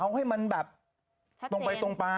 เอาให้มันแบบตรงไปตรงมา